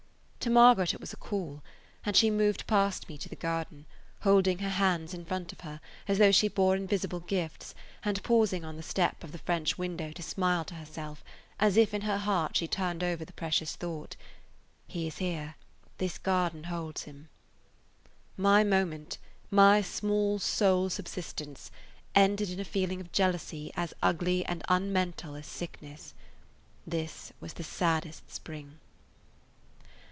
To Margaret it was a call, and she moved past me to the garden, holding her hands in front of her as though she bore invisible gifts, and pausing on the step of the French window to smile to herself, as if in her heart she turned over the precious thought: "He is here. This garden holds him." My moment, my small sole [Page 128] subsistence, ended in a feeling of jealousy as ugly and unmental as sickness. This was the saddest spring.